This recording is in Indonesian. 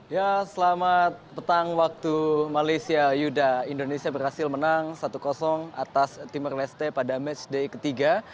ya selamat petang waktu malaysia yuda indonesia berhasil menang satu atas timur leste pada matchday ketiga